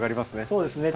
そうですね。